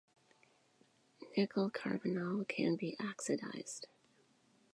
Nickel carbonyl can be oxidized.